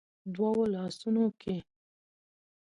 دوو لاسونو کې